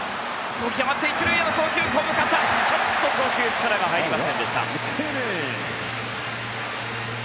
起き上がって１塁への送球小深田ちょっと送球力が入りませんでした。